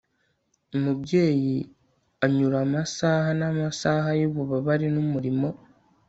umubyeyi anyura amasaha n'amasaha y'ububabare n'umurimo